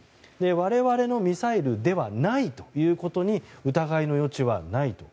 我々のミサイルではないということに疑いの余地はないと。